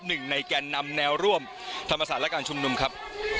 หนึ่งในแกนนำแนวร่วมธรรมศาสตร์และการชุมนุมครับ